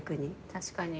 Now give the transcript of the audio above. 確かに。